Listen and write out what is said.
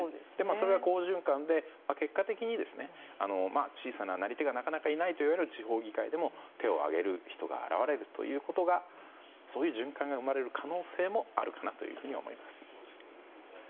それが好循環で、結果的に小さな、なり手がなかなかいないという地方議会でも手を挙げる人が現れるということがそういう循環が生まれる可能性もあるかなと思います。